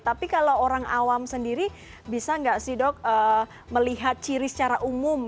tapi kalau orang awam sendiri bisa nggak sih dok melihat ciri secara umum